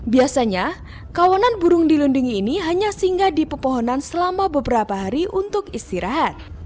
biasanya kawanan burung dilundingi ini hanya singgah di pepohonan selama beberapa hari untuk istirahat